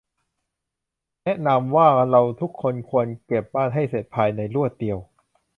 แนะนำว่า เราทุกคนควรเก็บบ้านให้เสร็จภายในรวดเดียว